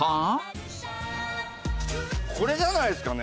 これじゃないですかね？